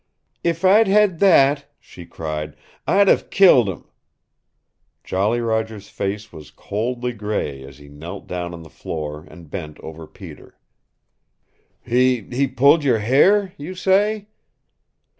"If I'd had that," she cried, "I'd hev killed him!" Jolly Roger's face was coldly gray as he knelt down on the floor and bent over Peter. "He pulled your hair, you say?"